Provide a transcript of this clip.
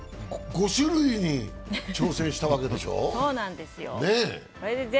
５種類に挑戦したわけでしょ。